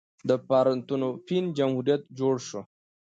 د پارتنوپین جمهوریت جوړ شو.